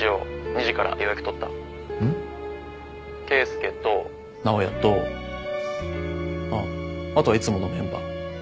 圭介と尚也とあっあとはいつものメンバー。